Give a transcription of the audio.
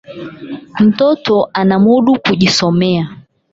Mtoto anamudu kujisomea